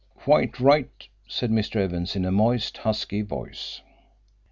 "Quite right," said Mr. Evans, in a moist, husky voice.